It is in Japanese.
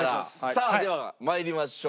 さあでは参りましょう。